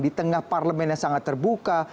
di tengah parlemen yang sangat terbuka